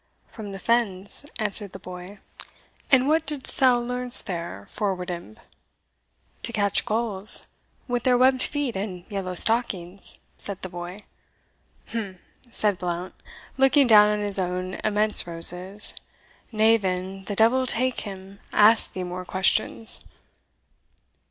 "From the Fens," answered the boy. "And what didst thou learn there, forward imp?" "To catch gulls, with their webbed feet and yellow stockings," said the boy. "Umph!" said Blount, looking down on his own immense roses. "Nay, then, the devil take him asks thee more questions."